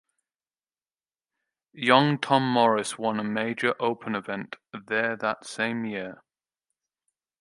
Young Tom Morris won a major open event there that same year.